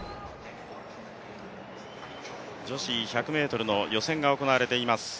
女子１００ｍの予選が行われています。